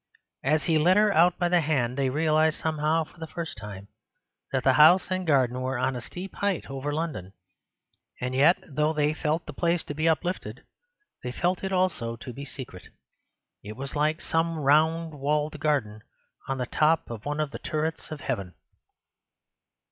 As he led her out by the hand they realized somehow for the first time that the house and garden were on a steep height over London. And yet, though they felt the place to be uplifted, they felt it also to be secret: it was like some round walled garden on the top of one of the turrets of heaven.